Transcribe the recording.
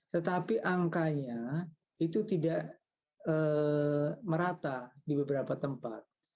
tetapi angkanya itu tidak merata di beberapa tempat